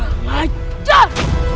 dan menangkap kake guru